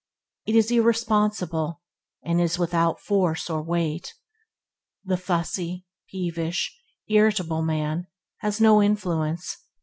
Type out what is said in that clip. It is irresponsible, and is without force or weight. The fussy, peevish, irritable man has no influence.